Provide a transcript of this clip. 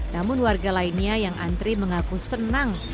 namun warga lainnya yang antri mengaku senang